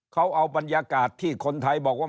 เขาเอาบรรยากาศที่คนไทยบอกว่า